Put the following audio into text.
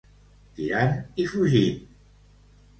Tirant i fugint.